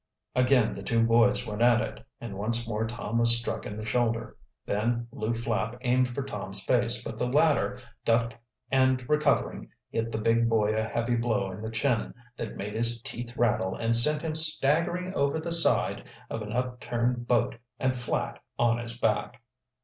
Again the two boys went at it and once more Tom was struck in the shoulder. Then Lew Flapp aimed for Tom's face, but the latter ducked and, recovering, hit the big boy a heavy blow in the chin that made his teeth rattle and sent him staggering over the side of an upturned boat and flat on his back.